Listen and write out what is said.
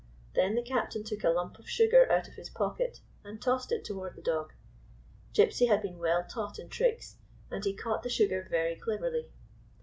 Then the captain took a lump of sugar out of his pocket and tossed it toward the dog. Gypsy had been well taught in tricks, and he caught the sugar very cleverly.